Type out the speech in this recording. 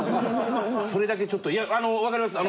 それだけちょっといやあのわかります。